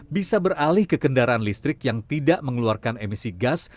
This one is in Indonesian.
bisa beralih ke kendaraan listrik yang tidak mengeluarkan emisi gas